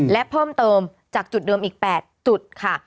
และเพิ่มเติมจากจุดเดิมอีก๘จุดค่ะ